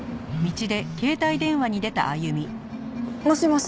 もしもし？